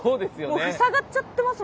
もう塞がっちゃってます